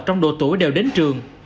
trong độ tuổi đều đến trường